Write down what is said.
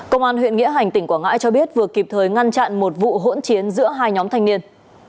công an huyện nghĩa hành tỉnh quảng ngãi cho biết vừa kịp thời ngăn chặn một vụ hỗn chiến giữa hai nhóm thanh niên